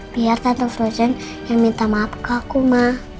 biar tante frozen yang minta maaf ke aku ma